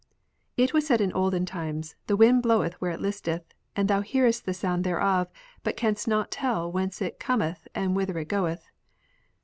It was said in olden times, " The wind blowetli where it listeth, and thou hearest the sound thereof, but canst not tell whence it cometh and whither it goeth."